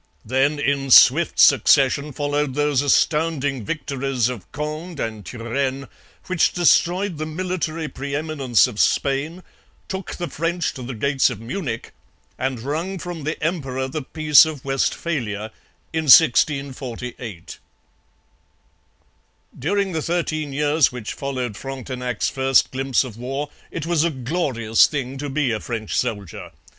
Then in swift succession followed those astounding victories of Conde and Turenne which destroyed the military pre eminence of Spain, took the French to the gates of Munich, and wrung from the emperor the Peace of Westphalia (1648). During the thirteen years which followed Frontenac's first glimpse of war it was a glorious thing to be a French soldier.